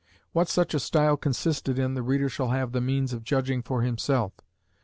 What such a style consisted in, the reader shall have the means of judging for himself.